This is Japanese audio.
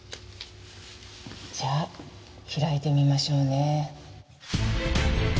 じゃあ開いてみましょうね。